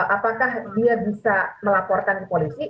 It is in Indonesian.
apakah dia bisa melaporkan ke polisi